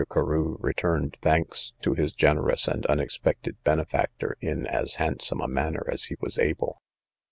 Carew returned thanks to his generous and unexpected benefactor in as handsome a manner as he was able.